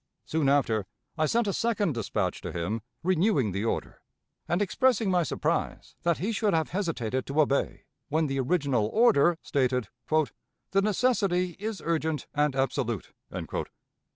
Soon after, I sent a second dispatch to him, renewing the order, and expressing my surprise that he should have hesitated to obey, when the original order stated "the necessity is urgent and absolute."